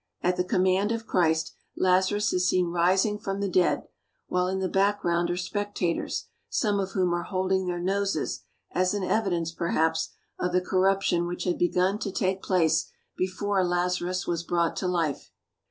At the command of Christ, Lazarus is seen rising from the dead, while in the background are spectators, some of whom are holding their noses as an evidence, perhaps, of the corruption which had begun to take place before Lazarus was brought to life.